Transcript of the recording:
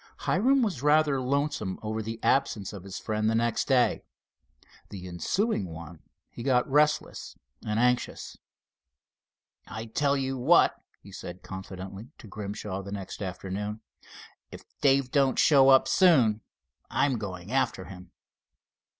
Hiram was rather lonesome over the absence of his friend the next day. The ensuing one he got restless and anxious. "I tell you what," he said, confidently to Grimshaw the next afternoon; "if Dave don't show up soon, I'm going after him."